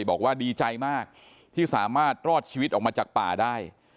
บอกว่าดีใจมากที่สามารถรอดชีวิตออกมาจากป่าได้